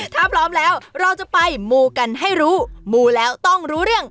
ถ้าพร้อมแล้วเราจะไปมูกันให้รู้มูแล้วต้องรู้เรื่อง